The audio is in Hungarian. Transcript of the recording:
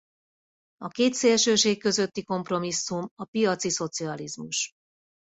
A két szélsőség közötti kompromisszum a piaci szocializmus.